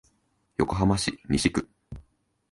横浜市西区